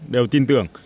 đều tin tưởng